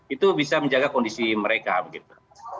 itu bisa menjaga kondisi mereka begitu